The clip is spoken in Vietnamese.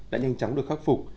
đã nhanh chóng được khắc phục